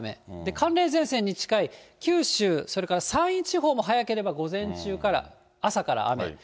寒冷前線に近い九州、それから山陰地方も早ければ午前中から、朝から雨。